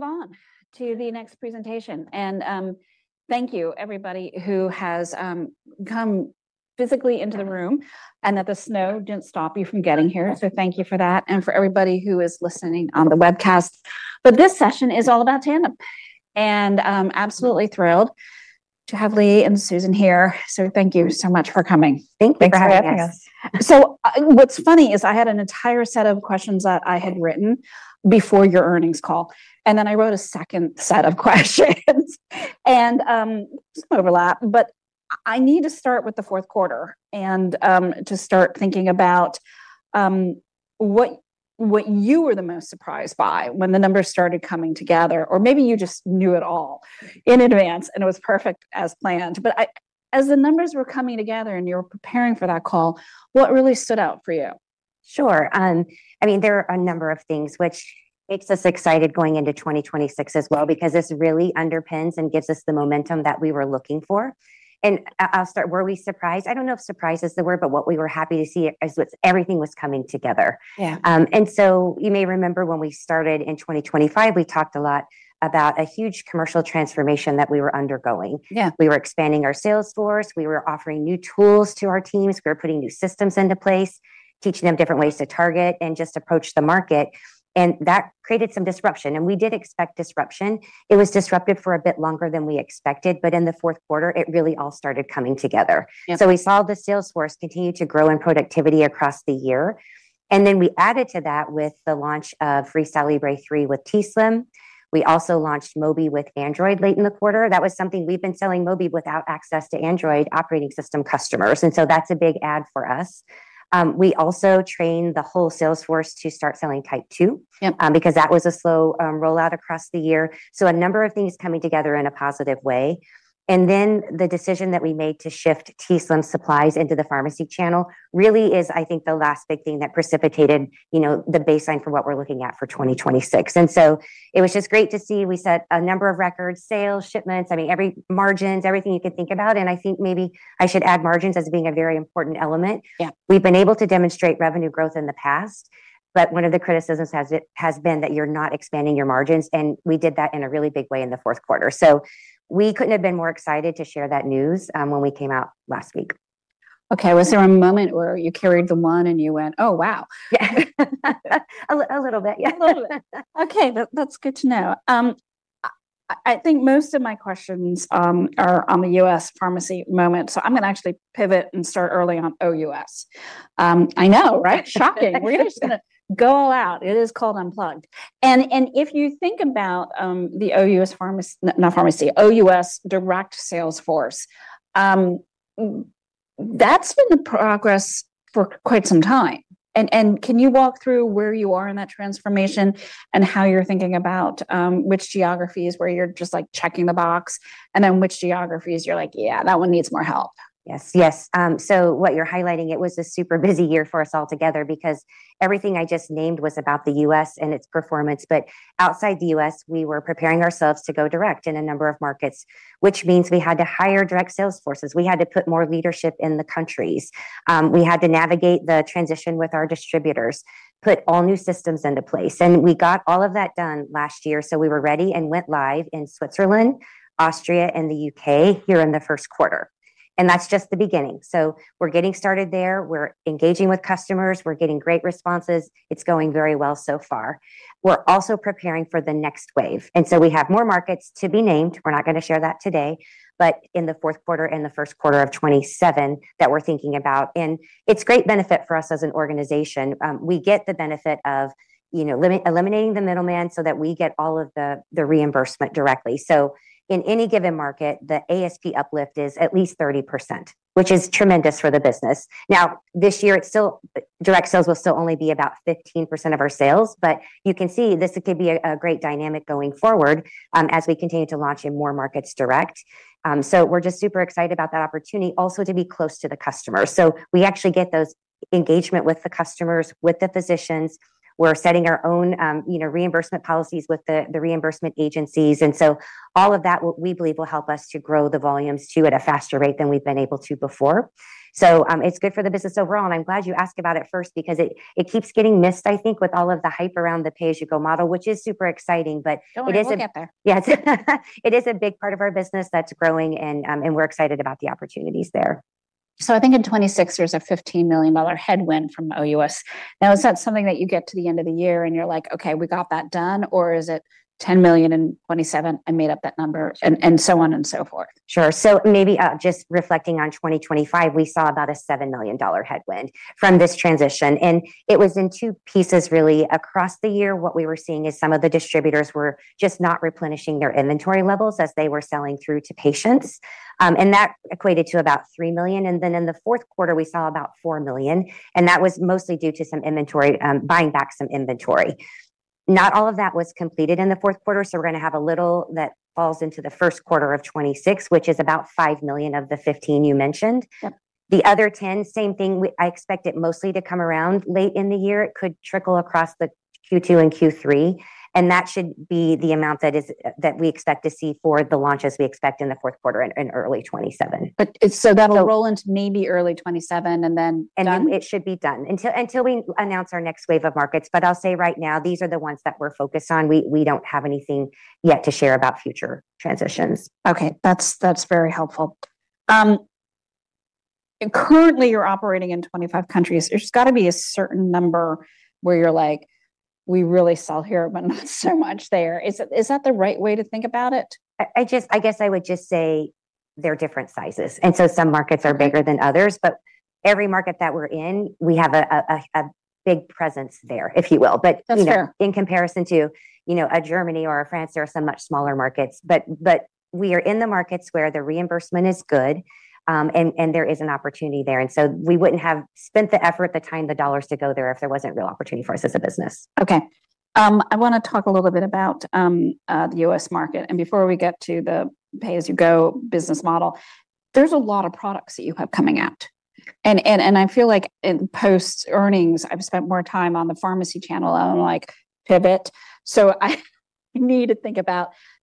move on to the next presentation. Thank you everybody who has come physically into the room, and that the snow didn't stop you from getting here. Thank you for that, and for everybody who is listening on the webcast. This session is all about Tandem, and, I'm absolutely thrilled to have Leigh and Susan here. Thank you so much for coming. Thank you for having us. Thanks for having us. What's funny is I had an entire set of questions that I had written before your earnings call, then I wrote a second set of questions. Some overlap, but I need to start with the fourth quarter and to start thinking about what you were the most surprised by when the numbers started coming together. Maybe you just knew it all in advance, and it was perfect as planned. As the numbers were coming together and you were preparing for that call, what really stood out for you? Sure. I mean, there are a number of things which makes us excited going into 2026 as well, because this really underpins and gives us the momentum that we were looking for. I'll start, were we surprised? I don't know if surprised is the word, but what we were happy to see is everything was coming together. Yeah. You may remember when we started in 2025, we talked a lot about a huge commercial transformation that we were undergoing. Yeah. We were expanding our sales force. We were offering new tools to our teams. We were putting new systems into place, teaching them different ways to target and just approach the market, and that created some disruption, and we did expect disruption. It was disruptive for a bit longer than we expected, but in the fourth quarter, it really all started coming together. Yeah. We saw the sales force continue to grow in productivity across the year, and then we added to that with the launch of FreeStyle Libre 3 with t:slim. We also launched Mobi with Android late in the quarter. That was something we've been selling Mobi without access to Android operating system customers, and so that's a big add for us. We also trained the whole sales force to start selling Type 2, because that was a slow rollout across the year. A number of things coming together in a positive way. The decision that we made to shift t:slim X2 supplies into the pharmacy channel really is, I think, the last big thing that precipitated, you know, the baseline for what we're looking at for 2026. It was just great to see. We set a number of record sales, shipments, I mean, margins, everything you could think about, and I think maybe I should add margins as being a very important element. Yeah. We've been able to demonstrate revenue growth in the past, but one of the criticisms has been that you're not expanding your margins, and we did that in a really big way in the 4th quarter. We couldn't have been more excited to share that news, when we came out last week. Okay. Was there a moment where you carried the one and you went, "Oh, wow!" Yeah. A little bit, yeah. A little bit. Okay, that's good to know. I think most of my questions are on the U.S. pharmacy moment, so I'm gonna actually pivot and start early on OUS. I know, right? Shocking. We're just gonna go all out. It is called Unplugged. If you think about the OUS direct sales force, that's been in progress for quite some time. Can you walk through where you are in that transformation and how you're thinking about which geographies, where you're just, like, checking the box, and then which geographies you're like: "Yeah, that one needs more help? Yes, yes. What you're highlighting, it was a super busy year for us all together because everything I just named was about the U.S. and its performance. Outside the U.S., we were preparing ourselves to go direct in a number of markets, which means we had to hire direct sales forces. We had to put more leadership in the countries. We had to navigate the transition with our distributors, put all new systems into place, and we got all of that done last year, so we were ready and went live in Switzerland, Austria, and the U.K. here in the 1st quarter. That's just the beginning. We're getting started there. We're engaging with customers. We're getting great responses. It's going very well so far. We're also preparing for the next wave, and so we have more markets to be named. We're not gonna share that today, but in the fourth quarter, in the first quarter of 2027, that we're thinking about, and it's great benefit for us as an organization. We get the benefit of, you know, eliminating the middleman so that we get all of the reimbursement directly. In any given market, the ASP uplift is at least 30%, which is tremendous for the business. This year, direct sales will still only be about 15% of our sales, but you can see this could be a great dynamic going forward, as we continue to launch in more markets direct. We're just super excited about that opportunity also to be close to the customer. We actually get those engagement with the customers, with the physicians. We're setting our own, you know, reimbursement policies with the reimbursement agencies. All of that, we believe, will help us to grow the volumes, too, at a faster rate than we've been able to before. It's good for the business overall, and I'm glad you asked about it first because it keeps getting missed, I think, with all of the hype around the pay-as-you-go model, which is super exciting, but it is. Don't worry, we'll get there. Yeah. It is a big part of our business that's growing and we're excited about the opportunities there. I think in 2026, there's a $15 million headwind from OUS. Is that something that you get to the end of the year and you're like, "Okay, we got that done," or is it $10 million in 2027? I made up that number, and so on and so forth. Sure. Maybe, just reflecting on 2025, we saw about a $7 million headwind from this transition, and it was in 2 pieces, really. Across the year, what we were seeing is some of the distributors were just not replenishing their inventory levels as they were selling through to patients, and that equated to about $3 million. In the fourth quarter, we saw about $4 million, and that was mostly due to some inventory, buying back some inventory. Not all of that was completed in the fourth quarter, so we're gonna have a little that falls into the first quarter of 2026, which is about $5 million of the 15 you mentioned. Yep. The other 10, same thing, I expect it mostly to come around late in the year. It could trickle across the Q2 and Q3. That should be the amount that is, that we expect to see for the launch, as we expect in the fourth quarter in early 2027. That'll roll into maybe early 2027, and then done? It should be done. Until we announce our next wave of markets, but I'll say right now, these are the ones that we're focused on. We don't have anything yet to share about future transitions. Okay. That's very helpful. Currently you're operating in 25 countries. There's got to be a certain number where you're like, "We really sell here, but not so much there." Is that the right way to think about it? I guess I would just say they're different sizes. Some markets are bigger than others. Every market that we're in, we have a big presence there, if you will, you know, in comparison to, you know, a Germany or a France, there are some much smaller markets. We are in the markets where the reimbursement is good, and there is an opportunity there. We wouldn't have spent the effort, the time, the dollars to go there if there wasn't real opportunity for us as a business. Okay. I want to talk a little bit about the U.S. market. Before we get to the pay-as-you-go business model. There's a lot of products that you have coming out. I feel like in post-earnings, I've spent more time on the pharmacy channel, and I'm like: Pivot.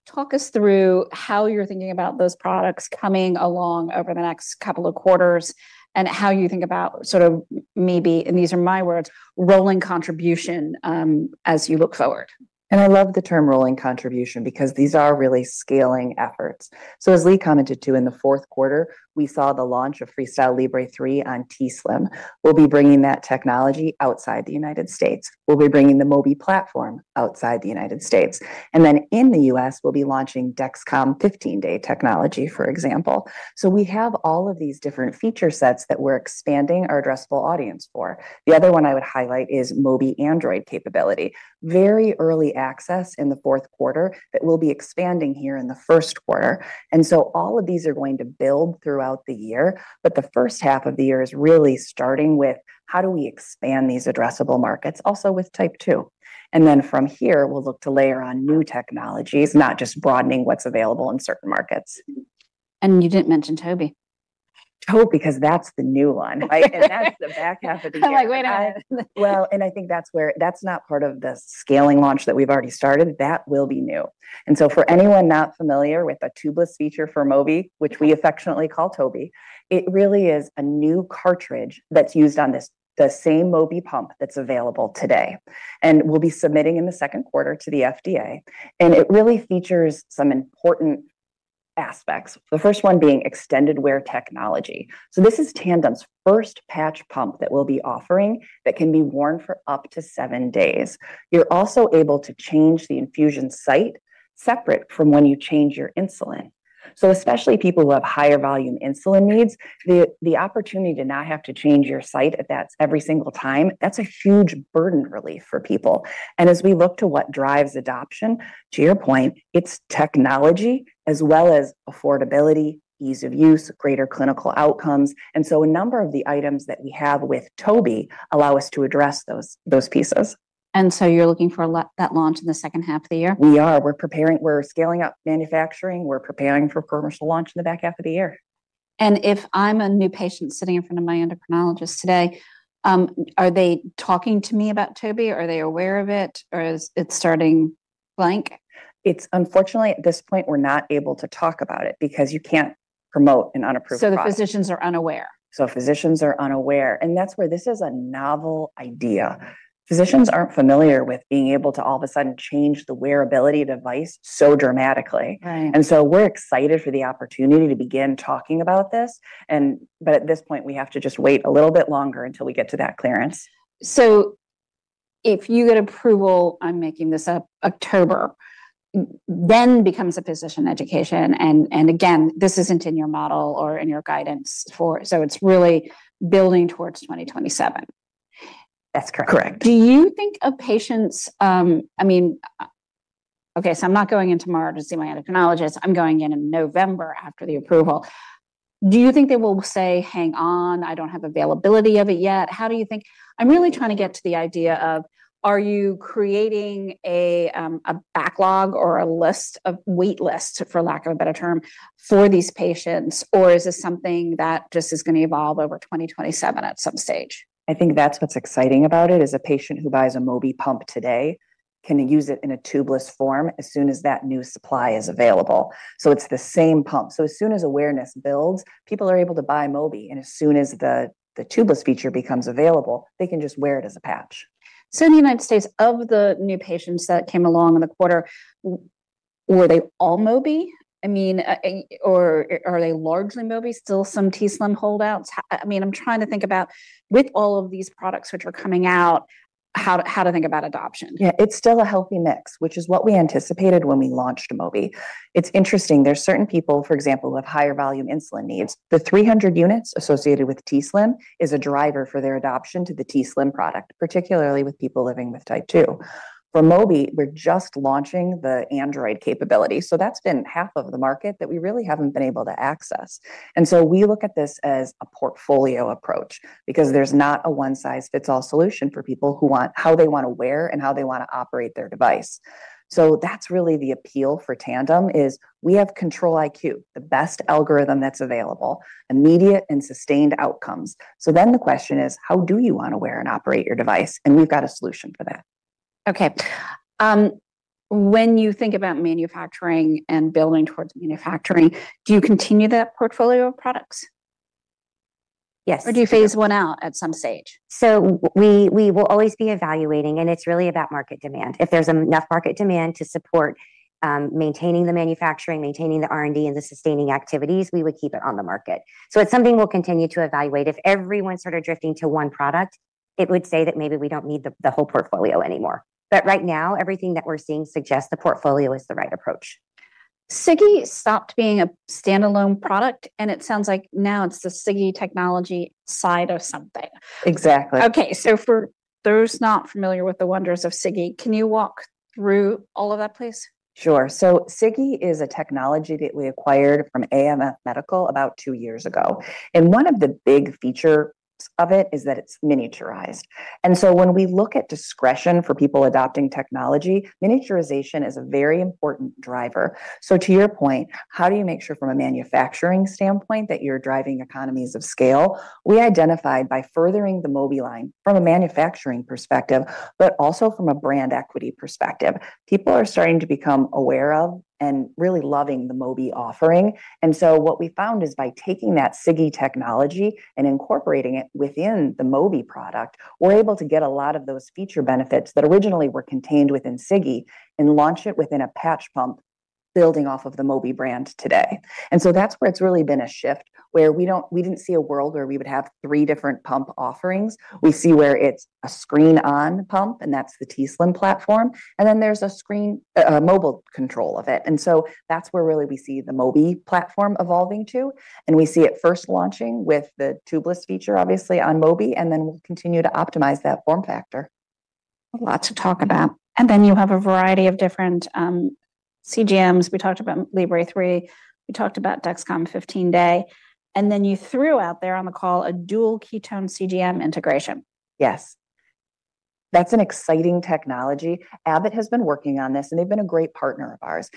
Talk us through how you're thinking about those products coming along over the next couple of quarters, and how you think about sort of maybe, and these are my words, rolling contribution, as you look forward. I love the term rolling contribution, because these are really scaling efforts. As Leigh commented, too, in the fourth quarter, we saw the launch of FreeStyle Libre 3 on t:slim. We'll be bringing that technology outside the United States. We'll be bringing the Mobi platform outside the United States, and then in the US, we'll be launching Dexcom 15-day technology, for example. We have all of these different feature sets that we're expanding our addressable audience for. The other one I would highlight is Mobi Android capability. Very early access in the fourth quarter that we'll be expanding here in the first quarter. All of these are going to build throughout the year, but the first half of the year is really starting with: How do we expand these addressable markets, also with Type 2? From here, we'll look to layer on new technologies, not just broadening what's available in certain markets. Mm-hmm. You didn't mention Toby. Toby, 'cause that's the new one, right? That's the back half of the year. I'm like, "Wait a minute.." I think that's not part of the scaling launch that we've already started. That will be new. For anyone not familiar with the tubeless feature for Mobi, which we affectionately call Toby, it really is a new cartridge that's used on this, the same Mobi pump that's available today. We'll be submitting in the second quarter to the FDA, and it really features some important aspects, the first one being extended wear technology. This is Tandem's first patch pump that we'll be offering that can be worn for up to 7 days. You're also able to change the infusion site separate from when you change your insulin. Especially people who have higher volume insulin needs, the opportunity to not have to change your site at that every single time, that's a huge burden relief for people. As we look to what drives adoption, to your point, it's technology as well as affordability, ease of use, greater clinical outcomes. A number of the items that we have with Toby allow us to address those pieces. You're looking for that launch in the second half of the year? We are. We're scaling up manufacturing, we're preparing for commercial launch in the back half of the year. If I'm a new patient sitting in front of my endocrinologist today, are they talking to me about Toby? Are they aware of it, or is it starting blank? It's unfortunately, at this point, we're not able to talk about it, because you can't promote an unapproved product. The physicians are unaware? Physicians are unaware, and that's where this is a novel idea. Physicians aren't familiar with being able to all of a sudden change the wearability device so dramatically. Right. We're excited for the opportunity to begin talking about this, but at this point, we have to just wait a little bit longer until we get to that clearance. If you get approval, I'm making this up, October, then becomes a physician education, and again, this isn't in your model or in your guidance. It's really building towards 2027. That's correct. Correct. Do you think of patients? I mean, okay, I'm not going in tomorrow to see my endocrinologist. I'm going in in November after the approval. Do you think they will say: "Hang on, I don't have availability of it yet"? How do you think? I'm really trying to get to the idea of, are you creating a backlog or wait lists, for lack of a better term, for these patients, or is this something that just is gonna evolve over 2027 at some stage? I think that's what's exciting about it, is a patient who buys a Mobi pump today can use it in a tubeless form as soon as that new supply is available. It's the same pump. As soon as awareness builds, people are able to buy Mobi, and as soon as the tubeless feature becomes available, they can just wear it as a patch. In the United States, of the new patients that came along in the quarter, were they all Mobi? I mean, or are they largely Mobi, still some t:slim holdouts? I mean, I'm trying to think about, with all of these products which are coming out, how to, how to think about adoption. Yeah, it's still a healthy mix, which is what we anticipated when we launched Mobi. It's interesting, there's certain people, for example, who have higher volume insulin needs. The 300 units associated with t:slim X2 is a driver for their adoption to the t:slim X2 product, particularly with people living with Type 2. For Mobi, we're just launching the Android capability, so that's been half of the market that we really haven't been able to access. We look at this as a portfolio approach, because there's not a one-size-fits-all solution for people who want how they want to wear and how they want to operate their device. That's really the appeal for Tandem, is we have Control-IQ, the best algorithm that's available, immediate and sustained outcomes. The question is: How do you want to wear and operate your device? We've got a solution for that. Okay. When you think about manufacturing and building towards manufacturing, do you continue that portfolio of products? Yes. Do you phase one out at some stage? We will always be evaluating, and it's really about market demand. If there's enough market demand to support maintaining the manufacturing, maintaining the R&D, and the sustaining activities, we would keep it on the market. It's something we'll continue to evaluate. If everyone started drifting to one product, it would say that maybe we don't need the whole portfolio anymore. Right now, everything that we're seeing suggests the portfolio is the right approach. Sigi stopped being a standalone product, and it sounds like now it's the Sigi technology side of something. Exactly. Okay, for those not familiar with the wonders of Sigi, can you walk through all of that, please? Sure. Sigi is a technology that we acquired from AMF Medical about two years ago. One of the big features of it is that it's miniaturized. When we look at discretion for people adopting technology, miniaturization is a very important driver. To your point, how do you make sure from a manufacturing standpoint that you're driving economies of scale? We identified by furthering the Mobi line from a manufacturing perspective, but also from a brand equity perspective. People are starting to become aware of and really loving the Mobi offering. What we found is, by taking that Sigi technology and incorporating it within the Mobi product, we're able to get a lot of those feature benefits that originally were contained within Sigi and launch it within a patch pump building off of the Mobi brand today. That's where it's really been a shift, where we didn't see a world where we would have 3 different pump offerings. We see where it's a screen on pump, and that's the t:slim platform. Then, there's a screen, a mobile control of it. That's where really we see the Mobi platform evolving to, and we see it first launching with the tubeless feature, obviously, on Mobi, and then we'll continue to optimize that form factor. A lot to talk about. You have a variety of different CGMs. We talked about Libre 3, we talked about Dexcom 15-Day, and then you threw out there on the call a dual glucose-ketone CGM integration. Yes. That's an exciting technology. Abbott has been working on this, and they've been a great partner of ours.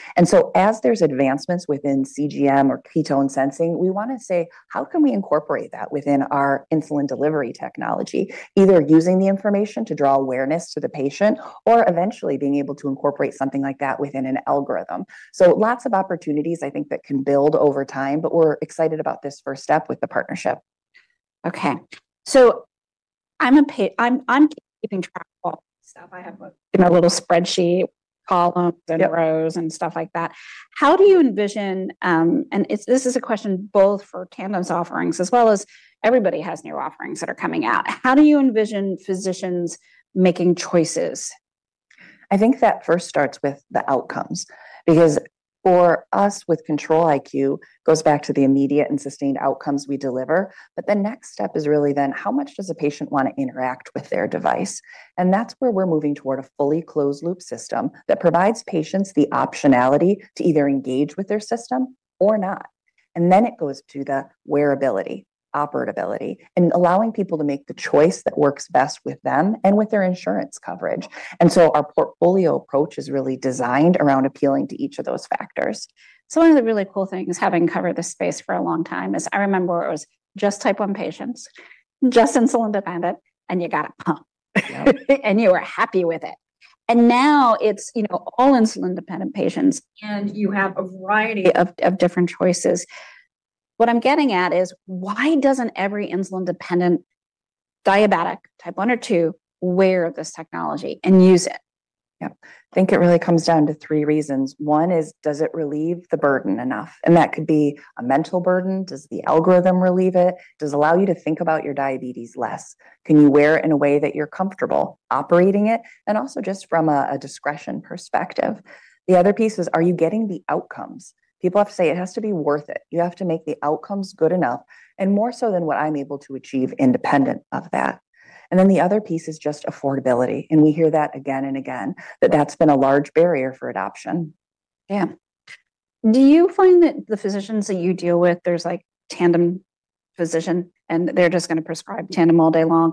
As there's advancements within CGM or ketone sensing, we wanna say: How can we incorporate that within our insulin delivery technology? Either using the information to draw awareness to the patient, or eventually being able to incorporate something like that within an algorithm. Lots of opportunities I think that can build over time, but we're excited about this first step with the partnership. Okay, I'm keeping track of all this stuff. I have a, you know, a little spreadsheet, columns and rows, and stuff like that. How do you envision? This is a question both for Tandem's offerings, as well as everybody has new offerings that are coming out. How do you envision physicians making choices? I think that first starts with the outcomes, because for us, with Control-IQ, goes back to the immediate and sustained outcomes we deliver. The next step is really then, how much does a patient wanna interact with their device? That's where we're moving toward a fully closed loop system that provides patients the optionality to either engage with their system or not. Then, it goes to the wearability, operability, and allowing people to make the choice that works best with them and with their insurance coverage. Our portfolio approach is really designed around appealing to each of those factors. One of the really cool things, having covered this space for a long time, is I remember it was just Type 1 patients, just insulin-dependent, and you got a pump. Yep. You were happy with it. Now it's, you know, all insulin-dependent patients, and you have a variety of different choices. What I'm getting at is, why doesn't every insulin-dependent diabetic, Type 1 or 2, wear this technology and use it? Yep. I think it really comes down to 3 reasons. One is, does it relieve the burden enough? That could be a mental burden. Does the algorithm relieve it? Does it allow you to think about your diabetes less? Can you wear it in a way that you're comfortable operating it, and also just from a discretion perspective? The other piece is, are you getting the outcomes? People have to say, "It has to be worth it." You have to make the outcomes good enough, and more so than what I'm able to achieve independent of that. The other piece is just affordability, and we hear that again and again, that that's been a large barrier for adoption. Yeah. Do you find that the physicians that you deal with, there's a Tandem physician, and they're just gonna prescribe Tandem all day long?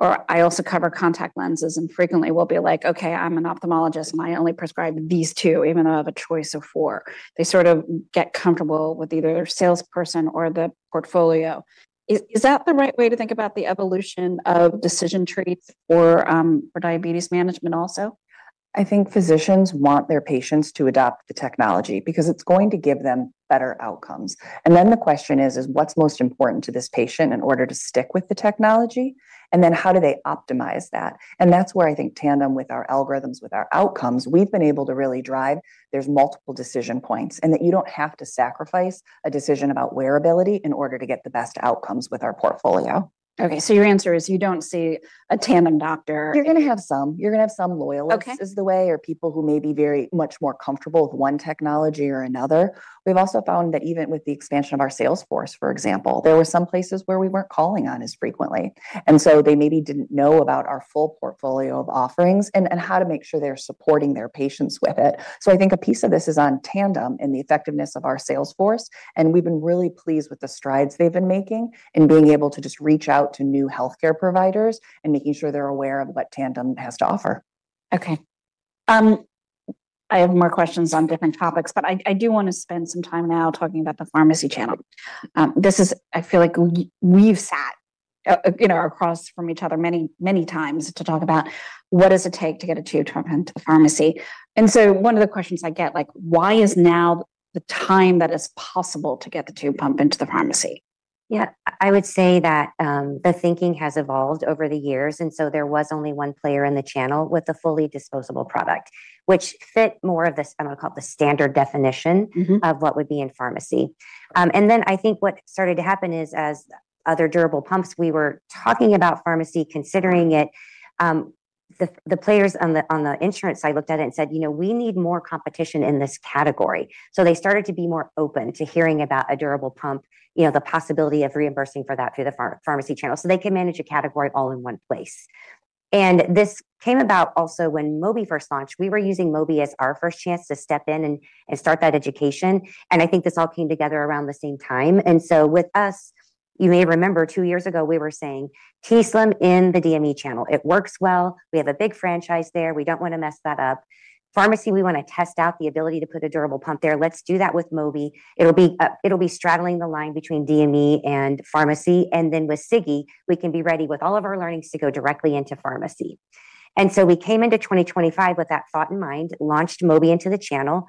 I also cover contact lenses, and frequently we'll be like: "Okay, I'm an ophthalmologist, and I only prescribe these two, even though I have a choice of four." They sort of get comfortable with either their salesperson or the portfolio. Is that the right way to think about the evolution of decision trees for diabetes management also? I think physicians want their patients to adopt the technology, because it's going to give them better outcomes. The question is: Is what's most important to this patient in order to stick with the technology? How do they optimize that? That's where I think Tandem, with our algorithms, with our outcomes, we've been able to really drive. There's multiple decision points, and that you don't have to sacrifice a decision about wearability in order to get the best outcomes with our portfolio. Okay, your answer is you don't see a Tandem doctor? You're gonna have some. You're gonna have some loyalists. It's the way, or people who may be very much more comfortable with one technology or another. We've also found that even with the expansion of our sales force, for example, there were some places where we weren't calling on as frequently. They maybe didn't know about our full portfolio of offerings and how to make sure they're supporting their patients with it. I think a piece of this is on Tandem and the effectiveness of our sales force, and we've been really pleased with the strides they've been making in being able to just reach out to new healthcare providers and making sure they're aware of what Tandem has to offer. Okay, I have more questions on different topics, but I do wanna spend some time now talking about the pharmacy channel. I feel like we've sat, you know, across from each other many, many times to talk about what does it take to get a tube pump into the pharmacy? One of the questions I get, like, why is now the time that it's possible to get the tube pump into the pharmacy? Yeah, I would say that, the thinking has evolved over the years, and so there was only one player in the channel with a fully disposable product, which fit more of this, I'm gonna call it the standard definition of what would be in pharmacy. Then I think what started to happen is as other durable pumps, we were talking about pharmacy, considering it, the players on the insurance side looked at it and said, "You know, we need more competition in this category." They started to be more open to hearing about a durable pump, you know, the possibility of reimbursing for that through the pharmacy channel, so they can manage a category all in one place. This came about also when Mobi first launched. We were using Mobi as our first chance to step in and start that education, and I think this all came together around the same time. With us, you may remember 2 years ago, we were saying, t:slim in the DME channel. It works well. We have a big franchise there. We don't wanna mess that up. Pharmacy, we wanna test out the ability to put a durable pump there. Let's do that with Mobi. It'll be straddling the line between DME and pharmacy, then with Sigi, we can be ready with all of our learnings to go directly into pharmacy. We came into 2025 with that thought in mind, launched Mobi into the channel.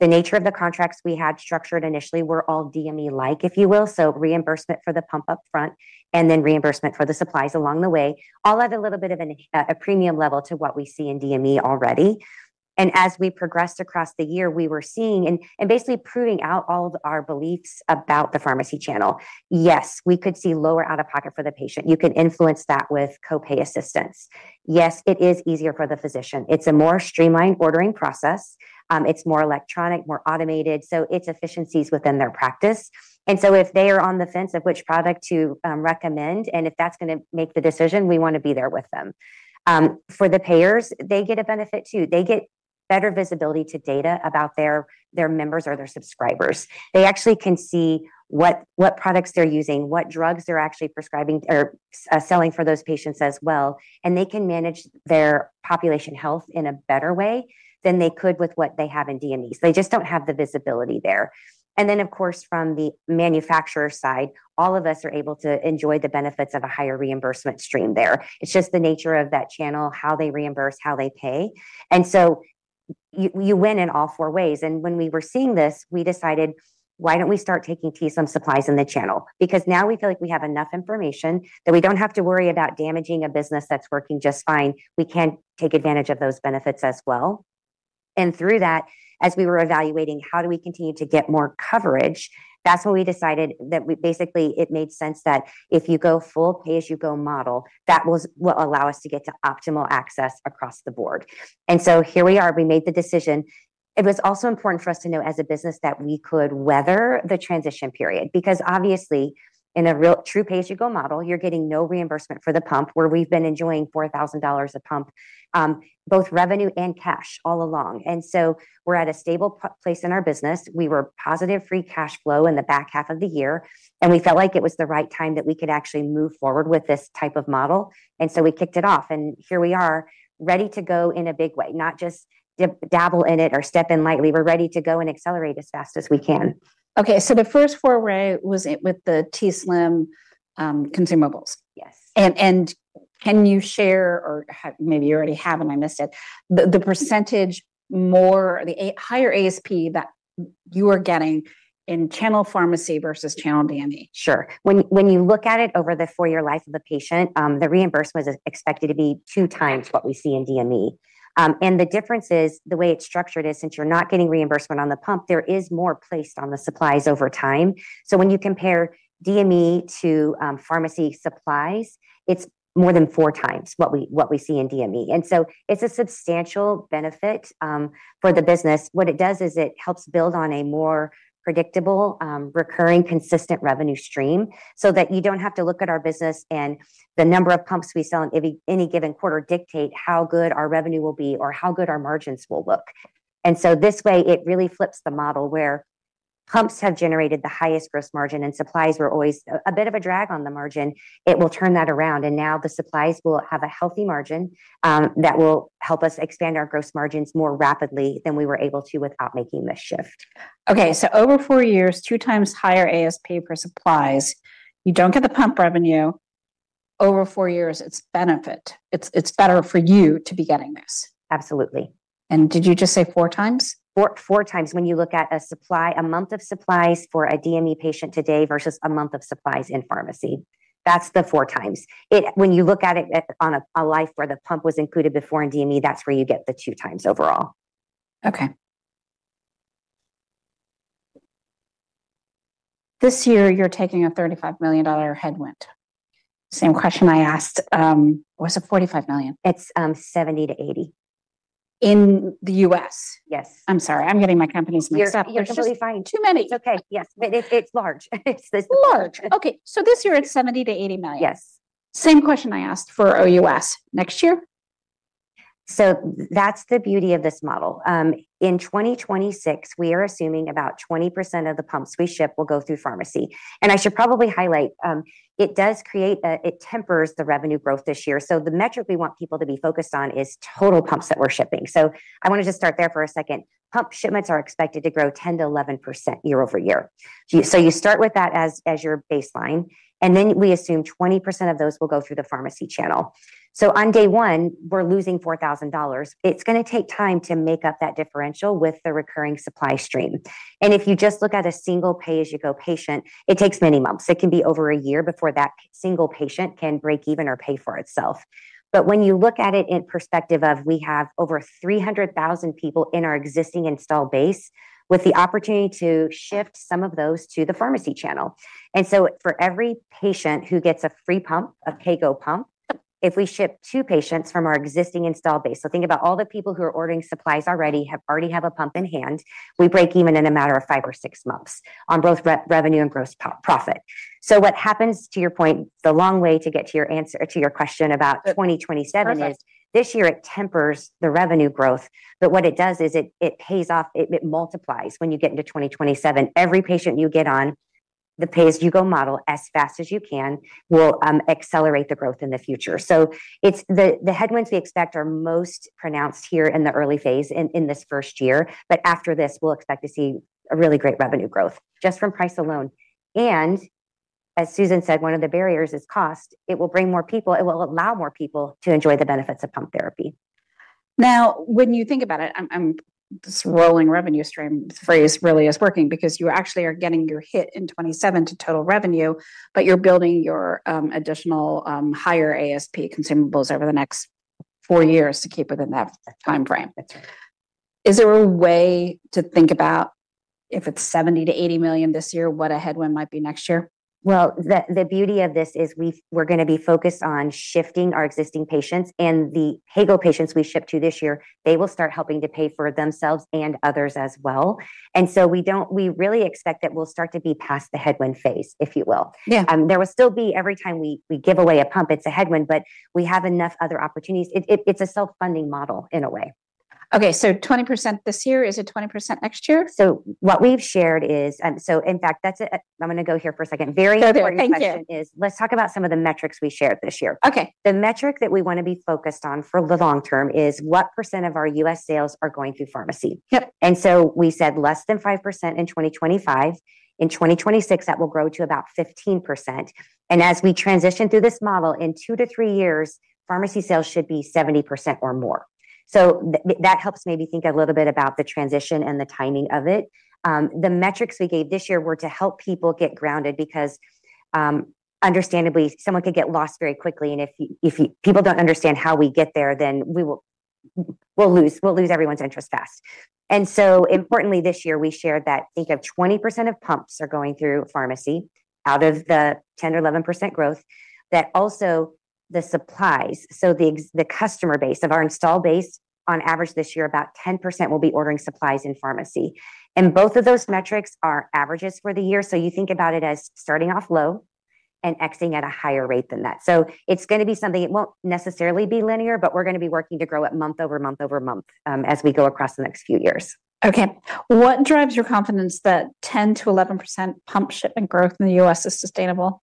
The nature of the contracts we had structured initially were all DME-like, if you will, so reimbursement for the pump up front, and then reimbursement for the supplies along the way. All at a little bit of a premium level to what we see in DME already. As we progressed across the year, we were seeing and basically proving out all of our beliefs about the pharmacy channel. Yes, we could see lower out-of-pocket for the patient. You can influence that with co-pay assistance. Yes, it is easier for the physician. It's a more streamlined ordering process. It's more electronic, more automated, so it's efficiencies within their practice. If they are on the fence of which product to recommend, and if that's gonna make the decision, we wanna be there with them. For the payers, they get a benefit, too. They get better visibility to data about their members or their subscribers. They actually can see what products they're using, what drugs they're actually prescribing or selling for those patients as well, and they can manage their population health in a better way than they could with what they have in DME. They just don't have the visibility there. Of course, from the manufacturer side, all of us are able to enjoy the benefits of a higher reimbursement stream there. It's just the nature of that channel, how they reimburse, how they pay. You win in all four ways, and when we were seeing this, we decided, why don't we start taking t:slim supplies in the channel? Because now we feel like we have enough information, that we don't have to worry about damaging a business that's working just fine. We can take advantage of those benefits as well. Through that, as we were evaluating, how do we continue to get more coverage? That's when we decided that basically, it made sense that if you go full pay-as-you-go model, that was what allow us to get to optimal access across the board. Here we are. We made the decision. It was also important for us to know as a business, that we could weather the transition period. Because obviously, in a real true pay-as-you-go model, you're getting no reimbursement for the pump, where we've been enjoying $4,000 a pump, both revenue and cash, all along. We're at a stable place in our business. We were positive free cash flow in the back half of the year, and we felt like it was the right time that we could actually move forward with this type of model, and so we kicked it off, and here we are, ready to go in a big way, not just dabble in it or step in lightly. We're ready to go and accelerate as fast as we can. The first foray was it with the t:slim consumables? Yes. Can you share, or maybe you already have, and I missed it, the percentage higher ASP that you are getting in channel pharmacy versus channel DME? Sure. When you look at it over the four-year life of the patient, the reimbursement is expected to be two times what we see in DME. The difference is, the way it's structured is, since you're not getting reimbursement on the pump, there is more placed on the supplies over time. When you compare DME to pharmacy supplies, it's more than four times what we see in DME, it's a substantial benefit for the business. What it does is it helps build on a more predictable, recurring, consistent revenue stream, so that you don't have to look at our business and the number of pumps we sell in any given quarter dictate how good our revenue will be or how good our margins will look. This way, it really flips the model where pumps have generated the highest gross margin, and supplies were always a bit of a drag on the margin. It will turn that around, and now the supplies will have a healthy margin that will help us expand our gross margins more rapidly than we were able to without making this shift. Over four years, two times higher ASP per supplies, you don't get the pump revenue. Over four years, it's benefit. It's better for you to be getting this? Absolutely. Did you just say 4 times? 4 times when you look at a supply, a month of supplies for a DME patient today versus a month of supplies in pharmacy. That's the 4 times. When you look at it on a life where the pump was included before in DME, that's where you get the 2 times overall. Okay. This year, you're taking a $35 million headwind. Same question I asked, or was it $45 million? It's, 70-80. In the U.S.? Yes. I'm sorry. I'm getting my companies mixed up. You're totally fine. Too many! It's okay. Yes, but it's large. Large. Okay, this year it's $70 million-$80 million? Yes. Same question I asked for OUS. Next year? That's the beauty of this model. In 2026, we are assuming about 20% of the pumps we ship will go through pharmacy. I should probably highlight, it tempers the revenue growth this year. The metric we want people to be focused on is total pumps that we're shipping. I want to just start there for a second. Pump shipments are expected to grow 10%-11% year-over-year. You start with that as your baseline, and then we assume 20% of those will go through the pharmacy channel. On day one, we're losing $4,000. It's gonna take time to make up that differential with the recurring supply stream. If you just look at a single pay-as-you-go patient, it takes many months. It can be over a year before that single patient can break even or pay for itself. When you look at it in perspective of we have over 300,000 people in our existing install base, with the opportunity to shift some of those to the pharmacy channel. For every patient who gets a free pump, a PayGo pump, if we ship two patients from our existing install base, so think about all the people who are ordering supplies already, have already a pump in hand, we break even in a matter of five or six months on both re-revenue and gross profit. What happens, to your point, the long way to get to your answer to your question about 2027 is this year, it tempers the revenue growth, but what it does is it pays off. It multiplies when you get into 2027. Every patient you get on the pay-as-you-go model, as fast as you can, will accelerate the growth in the future. It's the headwinds we expect are most pronounced here in the early phase, in this first year. After this, we'll expect to see a really great revenue growth just from price alone. As Susan said, one of the barriers is cost. It will allow more people to enjoy the benefits of pump therapy. When you think about it, this rolling revenue stream phrase really is working because you actually are getting your hit in 2027 to total revenue. You're building your additional higher ASP consumables over the next four years to keep within that timeframe. Is there a way to think about if it's $70 million-$80 million this year, what a headwind might be next year? Well, the beauty of this is we're gonna be focused on shifting our existing patients, and the PayGo patients we ship to this year, they will start helping to pay for themselves and others as well. We really expect that we'll start to be past the headwind phase, if you will. Yeah. There will still be, every time we give away a pump, it's a headwind, but we have enough other opportunities. It, it's a self-funding model, in a way. Okay, 20% this year. Is it 20% next year? What we've shared is. In fact, that's it. I'm gonna go here for a second. Go there. Thank you. Very important question is, let's talk about some of the metrics we shared this year. Okay. The metric that we wanna be focused on for the long term is what % of our U.S. sales are going through pharmacy? Yep. We said less than 5% in 2025. In 2026, that will grow to about 15%. As we transition through this model, in 2-3 years, pharmacy sales should be 70% or more. That helps maybe think a little bit about the transition and the timing of it. The metrics we gave this year were to help people get grounded, because, understandably, someone could get lost very quickly, and if people don't understand how we get there, then we will, we'll lose everyone's interest fast. Importantly, this year, we shared that think of 20% of pumps are going through pharmacy out of the 10% or 11% growth, that also the supplies. The customer base of our install base, on average, this year, about 10% will be ordering supplies in pharmacy, and both of those metrics are averages for the year. You think about it as starting off low and exiting at a higher rate than that. It's gonna be something, it won't necessarily be linear, but we're gonna be working to grow it month over month over month, as we go across the next few years. Okay. What drives your confidence that 10%-11% pump shipment growth in the U.S. is sustainable?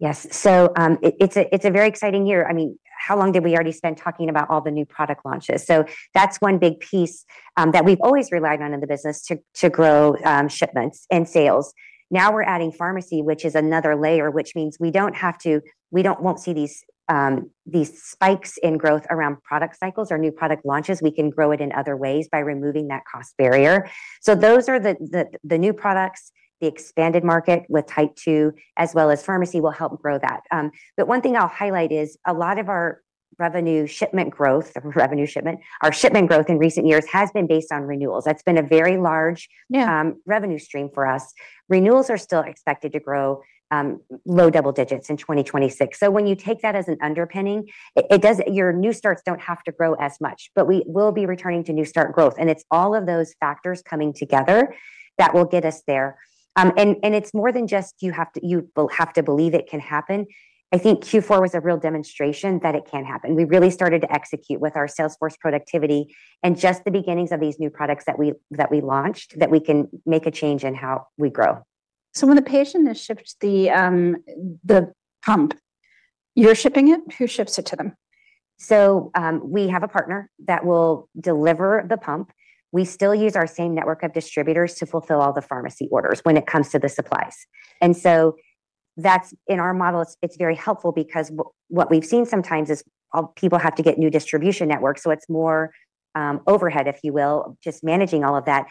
Yes. It's a very exciting year. I mean, how long did we already spend talking about all the new product launches? That's one big piece that we've always relied on in the business to grow shipments and sales. Now we're adding pharmacy, which is another layer, which means we won't see these spikes in growth around product cycles or new product launches. We can grow it in other ways by removing that cost barrier. Those are the new products, the expanded market with Type 2, as well as pharmacy, will help grow that. One thing I'll highlight is a lot of our revenue shipment growth, our shipment growth in recent years has been based on renewals. That's been a very large revenue stream for us. Renewals are still expected to grow, low double digits in 2026. When you take that as an underpinning, your new starts don't have to grow as much. We will be returning to new start growth, and it's all of those factors coming together that will get us there. It's more than just you have to, you have to believe it can happen. I think Q4 was a real demonstration that it can happen. We really started to execute with our sales force productivity and just the beginnings of these new products that we launched, that we can make a change in how we grow. When the patient is shipped the pump, you're shipping it? Who ships it to them? We have a partner that will deliver the pump. We still use our same network of distributors to fulfill all the pharmacy orders when it comes to the supplies. In our model, it's very helpful because what we've seen sometimes is, people have to get new distribution networks, so it's more, overhead, if you will, just managing all of that.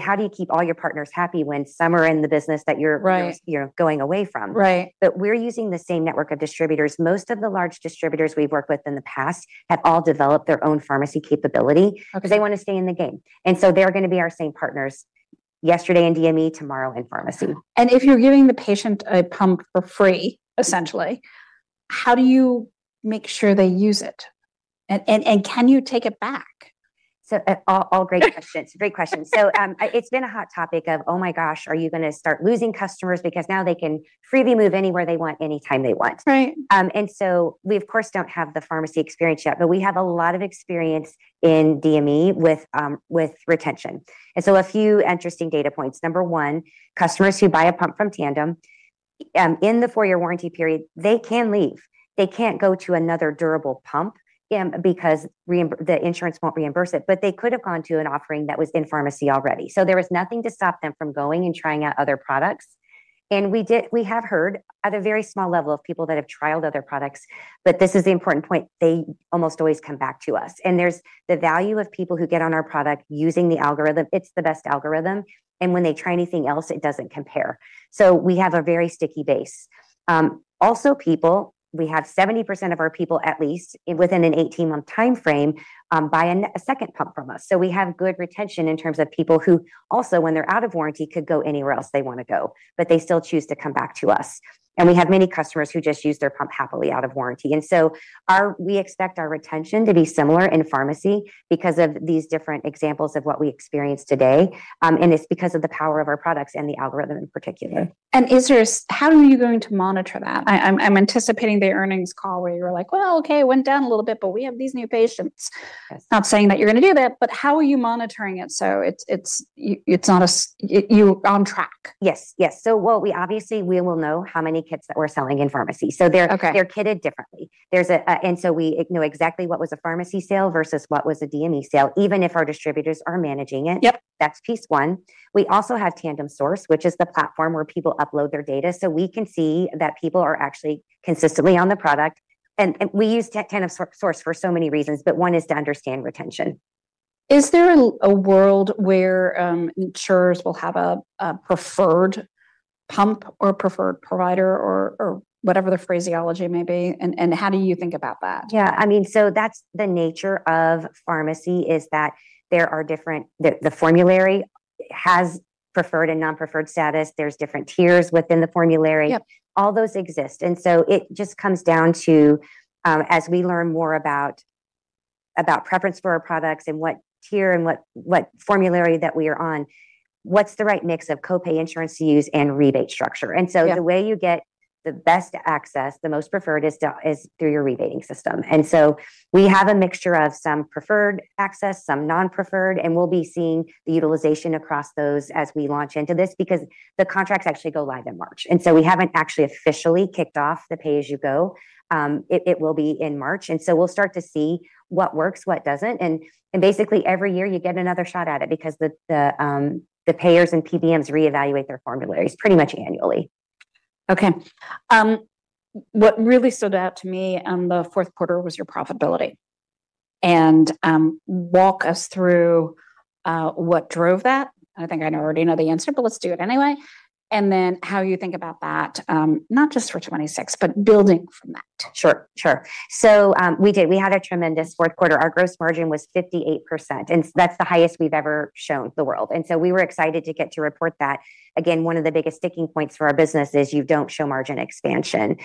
How do you keep all your partners happy when some are in the business that you're. Right You're going away from? Right. We're using the same network of distributors. Most of the large distributors we've worked with in the past have all developed their own pharmacy capability because they wanna stay in the game, and so they're gonna be our same partners, yesterday in DME, tomorrow in pharmacy. If you're giving the patient a pump for free, essentially, how do you make sure they use it? Can you take it back? All great questions. Great questions. It's been a hot topic of, "Oh my gosh, are you gonna start losing customers because now they can freely move anywhere they want, anytime they want? Right. We of course, don't have the pharmacy experience yet, but we have a lot of experience in DME with retention. A few interesting data points. Number 1, customers who buy a pump from Tandem, in the 4-year warranty period, they can leave. They can't go to another durable pump, because the insurance won't reimburse it. They could have gone to an offering that was in pharmacy already. There is nothing to stop them from going and trying out other products. We have heard at a very small level of people that have trialed other products, but this is the important point: they almost always come back to us. There's the value of people who get on our product using the algorithm. It's the best algorithm, and when they try anything else, it doesn't compare. We have a very sticky base. Also people, we have 70% of our people at least, within an 18-month timeframe, buy a second pump from us. We have good retention in terms of people who also, when they're out of warranty, could go anywhere else they wanna go, but they still choose to come back to us. We have many customers who just use their pump happily out of warranty. We expect our retention to be similar in pharmacy because of these different examples of what we experience today. And it's because of the power of our products and the algorithm in particular. Is there a how are you going to monitor that? I'm anticipating the earnings call where you're like, "Well, okay, it went down a little bit, but we have these new patients. Yes. Not saying that you're gonna do that. How are you monitoring it so it's you on track? Yes. Obviously, we will know how many kits that we're selling in pharmacy. Okay. They're kitted differently, and so we know exactly what was a pharmacy sale versus what was a DME sale, even if our distributors are managing it. Yep. That's piece one. We also have Tandem Source, which is the platform where people upload their data, so we can see that people are actually consistently on the product. We use Tandem Source for so many reasons, but one is to understand retention. Is there a world where insurers will have a preferred pump or preferred provider or whatever the phraseology may be, and how do you think about that? Yeah, I mean, that's the nature of pharmacy, is that there are the formulary has preferred and non-preferred status. There's different tiers within the formulary. Yep. All those exist. It just comes down to, as we learn more about preference for our products and what tier and what formulary that we are on, what's the right mix of co-pay insurance to use and rebate structure? Yeah. The way you get the best access, the most preferred, is through your rebating system. We have a mixture of some preferred access, some non-preferred, and we'll be seeing the utilization across those as we launch into this, because the contracts actually go live in March. We haven't actually officially kicked off the pay-as-you-go. It will be in March, and so we'll start to see what works, what doesn't. Basically, every year you get another shot at it because the payers and PBMs reevaluate their formularies pretty much annually. Okay. What really stood out to me on the fourth quarter was your profitability. Walk us through what drove that. I think I already know the answer, but let's do it anyway. Then how you think about that, not just for 2026, but building from that? Sure, sure. We did. We had a tremendous fourth quarter. Our gross margin was 58%, that's the highest we've ever shown the world. We were excited to get to report that. Again, one of the biggest sticking points for our business is you don't show margin expansion.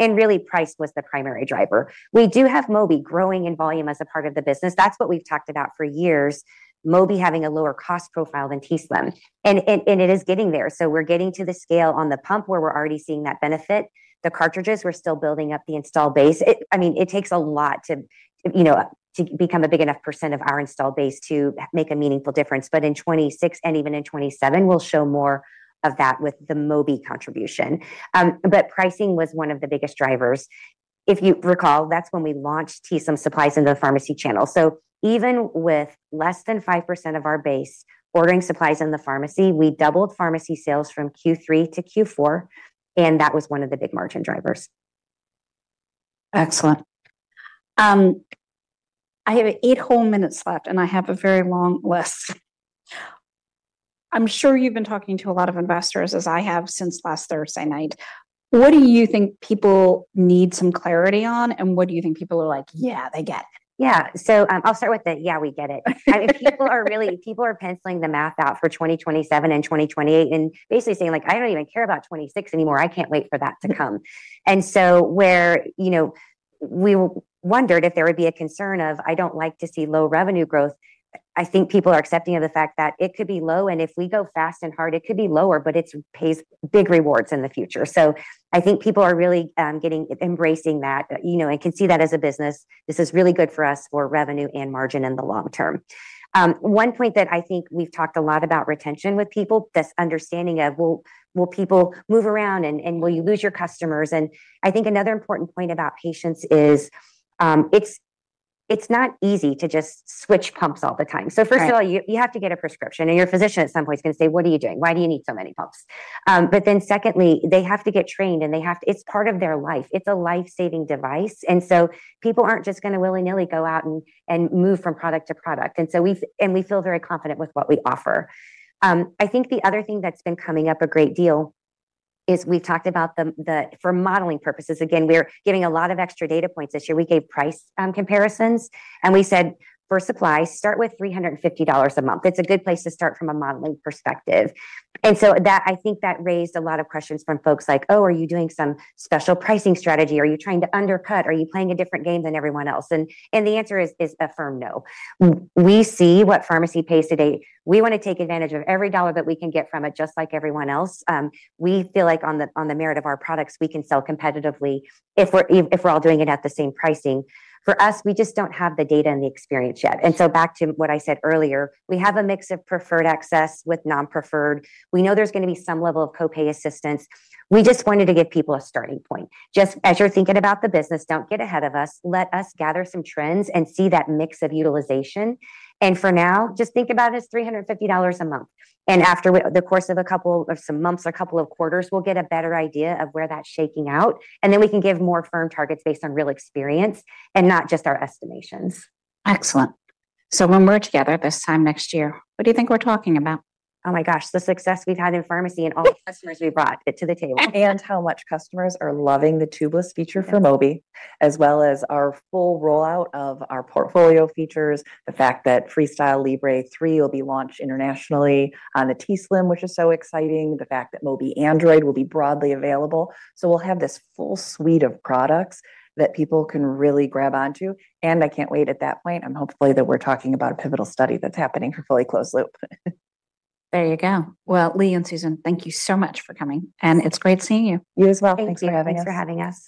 Really, price was the primary driver. We do have Mobi growing in volume as a part of the business. That's what we've talked about for years, Mobi having a lower cost profile than t:slim. And it is getting there. We're getting to the scale on the pump where we're already seeing that benefit. The cartridges, we're still building up the install base. I mean, it takes a lot to, you know, to become a big enough percent of our install base to make a meaningful difference but in 2026 and even in 2027, we'll show more of that with the Mobi contribution. Pricing was one of the biggest drivers. If you recall, that's when we launched t:slim Supplies into the pharmacy channel. Even with less than 5% of our base ordering supplies in the pharmacy, we doubled pharmacy sales from Q3 to Q4, and that was one of the big margin drivers. Excellent. I have 8 whole minutes left. I have a very long list. I'm sure you've been talking to a lot of investors, as I have since last Thursday night. What do you think people need some clarity on, and what do you think people are like, "Yeah, they get it? I'll start with the, "Yeah, we get it." I mean, people are penciling the math out for 2027 and 2028 and basically saying, like: "I don't even care about 2026 anymore. I can't wait for that to come. Mm. Where, you know, we wondered if there would be a concern of, I don't like to see low revenue growth, I think people are accepting of the fact that it could be low, and if we go fast and hard, it could be lower, but it pays big rewards in the future. I think people are really, embracing that, you know, and can see that as a business. This is really good for us for revenue and margin in the long term. One point that I think we've talked a lot about retention with people, this understanding of, well, will people move around, and will you lose your customers? I think another important point about patients is, it's not easy to just switch pumps all the time. Right. First of all, you have to get a prescription, and your physician at some point is gonna say: "What are you doing? Why do you need so many pumps?" Secondly, they have to get trained, it's part of their life. It's a life-saving device, people aren't just gonna willy-nilly go out and move from product to product. We feel very confident with what we offer. I think the other thing that's been coming up a great deal is we've talked about the for modeling purposes, again, we're giving a lot of extra data points this year. We gave price comparisons, and we said, "For supplies, start with $350 a month." It's a good place to start from a modeling perspective. That, I think that raised a lot of questions from folks like, "Oh, are you doing some special pricing strategy? Are you trying to undercut? Are you playing a different game than everyone else?" The answer is a firm no. We see what pharmacy pays today. We wanna take advantage of every dollar that we can get from it, just like everyone else. We feel like on the merit of our products, we can sell competitively if we're all doing it at the same pricing. For us, we just don't have the data and the experience yet. Sure. Back to what I said earlier, we have a mix of preferred access with non-preferred. We know there's gonna be some level of co-pay assistance. We just wanted to give people a starting point. Just as you're thinking about the business, don't get ahead of us. Let us gather some trends and see that mix of utilization. For now, just think about it as $350 a month. Yeah. After the course of a couple of some months or a couple of quarters, we'll get a better idea of where that's shaking out, and then we can give more firm targets based on real experience and not just our estimations. Excellent. When we're together this time next year, what do you think we're talking about? Oh, my gosh, the success we've had in pharmacy and all the customers we brought to the table. How much customers are loving the tubeless feature for Mobi, as well as our full rollout of our portfolio features, the fact that FreeStyle Libre 3 will be launched internationally, the t:slim, which is so exciting, the fact that Mobi Android will be broadly available. We'll have this full suite of products that people can really grab onto. I can't wait at that point, hopefully, that we're talking about a pivotal study that's happening for fully closed loop. There you go. Well, Leigh and Susan, thank you so much for coming, and it's great seeing you. You as well. Thank you. Thanks for having us. Thanks for having us.